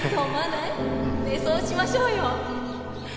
ねえそうしましょうよ。